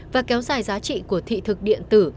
và kéo dài giá trị của thị thực điện tử